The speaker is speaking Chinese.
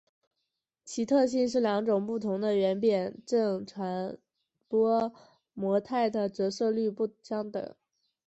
其特性是两种不同的圆偏振传播模态的折射率不相等。